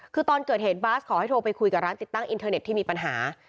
คือตอนเกิดเหตุบาสขอให้โทรไปคุยกับร้านติดตั้งอินเทอร์เน็ตที่มีปัญหา